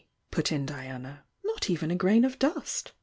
put in Diana— "Not even a grain of dust!"